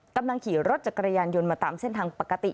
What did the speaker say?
กำลังขี่รถจักรยานยนต์มาตามเส้นทางปกติ